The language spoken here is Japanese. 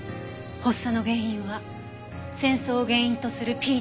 発作の原因は戦争を原因とするＰＴＳＤ。